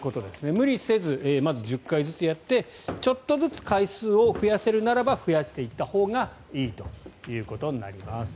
無理せずまずは１０回ずつやってちょっとずつ回数を増やせていけるなら増やしたほうがいいということになります。